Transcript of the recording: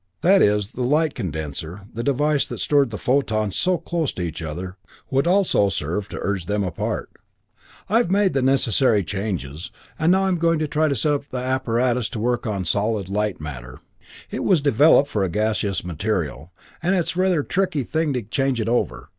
That is, the light condenser, the device that stored the photons so close to each other, would also serve to urge them apart. I've made the necessary changes, and now I'm trying to set up the apparatus to work on solid light matter. It was developed for gaseous material, and it's a rather tricky thing to change it over.